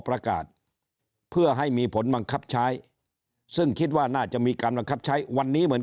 ประกาศเพื่อให้มีผลบังคับใช้ซึ่งคิดว่าน่าจะมีการบังคับใช้วันนี้เหมือน